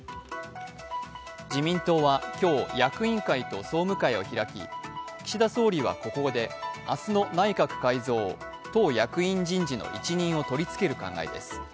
自民党は今日、役員会と総務会を開き岸田総理はここで明日の内閣改造・党役員人事の一任を取り付ける考えです。